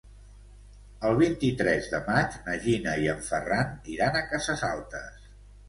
El vint-i-tres de maig na Gina i en Ferran iran a Cases Altes.